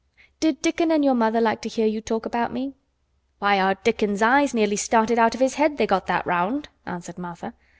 Did Dickon and your mother like to hear you talk about me?" "Why, our Dickon's eyes nearly started out o' his head, they got that round," answered Martha.